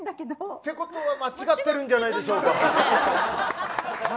ということは間違ってるんじゃないでしょうか。